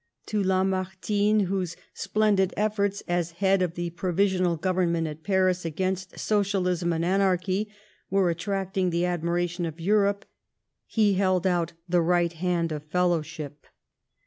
To Lamartine, whose splendid efforts as head of the Provisional Government at Paris against socialism and anarchy were attracting the admiration of Europe, he held out the right hand of fellowship.